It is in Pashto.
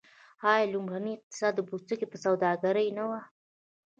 آیا لومړنی اقتصاد د پوستکي په سوداګرۍ نه و؟